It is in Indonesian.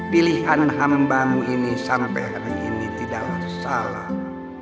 pilihan hambamu ini sampai hari ini tidak masalah